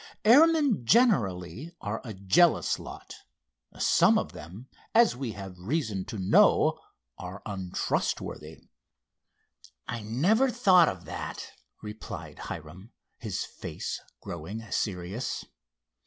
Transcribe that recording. Airmen, generally, are a jealous lot. Some of them, as we have reason to know, are untrustworthy." "I never thought of that," replied Hiram, his face growing serious.